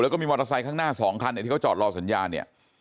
แล้วก็มีมอเตอร์ไซค์ข้างหน้า๒คันที่เขาจอดรอสัญญาณเนี่ย